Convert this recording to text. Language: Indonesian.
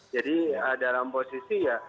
jadi dalam posisi ya